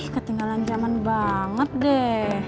ketinggalan zaman banget deh